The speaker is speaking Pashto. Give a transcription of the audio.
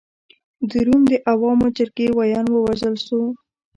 د روم د عوامو جرګې ویاند ووژل شو.